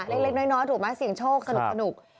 เล็กเล็กน้อยน้อยถูกมั้ยเสี่ยงโชคสนุก